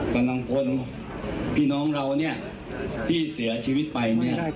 กำลังพลพี่น้องเราเนี่ยที่เสียชีวิตไปเนี่ย